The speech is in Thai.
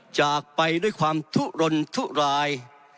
จากไปด้วยความทุรนทุราย